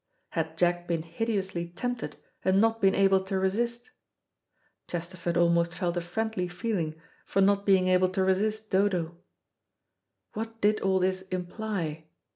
Had Jack been hideously tempted and not been able to resist? Chesterford almost felt a friendly feeling for not being able to resist Dodo. What did all this imply?